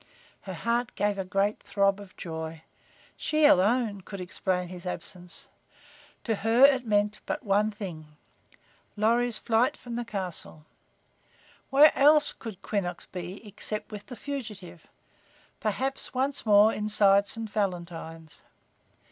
Her heart gave a great throb of joy. She alone could explain his absence. To her it meant but one thing: Lorry's flight from the castle. Where else could Quinnox be except with the fugitive, perhaps once more inside St. Valentine's?